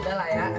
udah lah ya